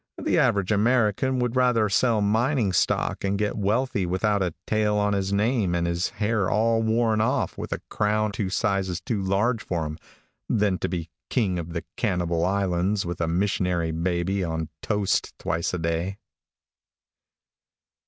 The average American would rather sell mining stock, and get wealthy without a tail on his name and his hair all worn off with a crown two sizes too large for him, than to be King of the Cannibal Islands with a missionary baby on toast twice a day.